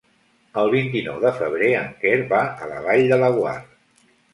El vint-i-nou de febrer en Quer va a la Vall de Laguar.